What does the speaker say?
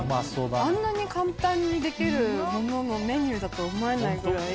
あんなに簡単に出来るもののメニューだと思えないぐらい。